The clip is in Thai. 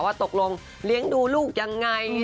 ว่าตกลงเลี้ยงดูลูกอย่างไร